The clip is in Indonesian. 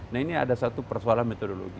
nah ini ada satu persoalan metodologi